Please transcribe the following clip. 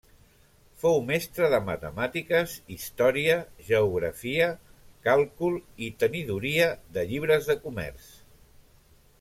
Fou mestre de matemàtiques, història, geografia, càlcul i Tenidoria de llibres de comerç.